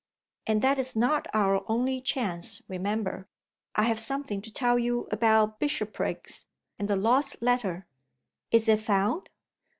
And that is not our only chance, remember. I have something to tell you about Bishopriggs and the lost letter." "Is it found?"